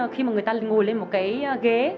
khi mà người ta ngồi lên một cái ghế